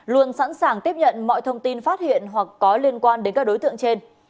luôn sẵn sàng tiếp nhận mọi thông tin phát hiện hoặc có liên quan đến các đối tượng trên